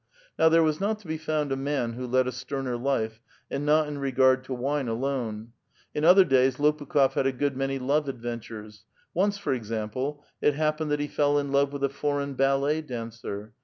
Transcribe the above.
Now, there was not to be found a man who led a sterner life, and not in regard to wine alone. In other days Lopukh6f had a good many love adventures : once, for example, it happened that he fell in love with a foreign ballet dancer.